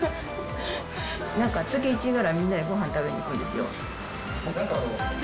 なんか月１ぐらい、みんなでごはん食べに行くんですよ。